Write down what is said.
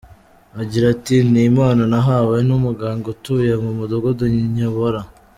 Agira ati “ Ni impano nahawe n’umuganga utuye mu mudugudu nyobora.